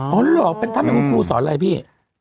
อ๋อหรือเป็นท่านแห่งคุณครูสอนอะไรพี่